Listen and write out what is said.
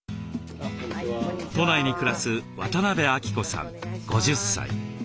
都内に暮らす渡邊晃子さん５０歳。